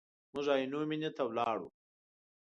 موږ د عینو مینې ته ولاړو.